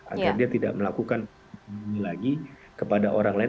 agar dia tidak melakukan ini lagi kepada orang lain